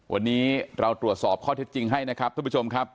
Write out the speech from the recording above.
วันนี้เราตรวจสอบข้อเท็จจริงให้นะครับท่านผู้ชมครับ